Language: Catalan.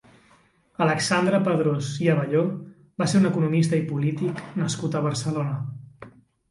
Alexandre Pedrós i Abelló va ser un economista i polític nascut a Barcelona.